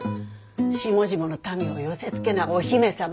下々の民を寄せつけないお姫様。